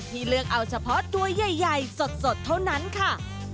เลือกเอาเฉพาะตัวใหญ่สดเท่านั้นค่ะ